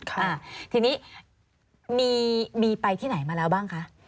ค่ะทีนี้มีไปที่ไหนมาแล้วบ้างคะ